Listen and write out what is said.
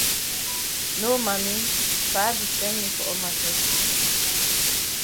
No Mami, Pa be send me for up maket.